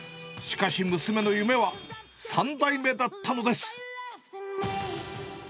しかし娘の夢は、３代目だったのです。